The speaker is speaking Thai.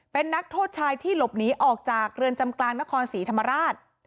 เป็นนักโทษชายที่หลบหนีออกจากเรือนจำกลางนครศรีธรรมราช